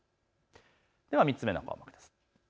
では３つ目の項目。